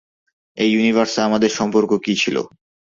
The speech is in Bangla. এই ইউনিভার্সে আমাদের সম্পর্ক কী ছিল?